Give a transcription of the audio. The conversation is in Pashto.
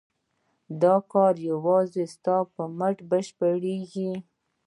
دا کار یوازې ستاسو په مټ بشپړېږي.